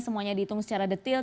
semuanya dihitung secara detil